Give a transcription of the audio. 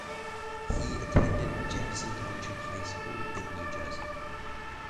He attended Jefferson Township High School in New Jersey.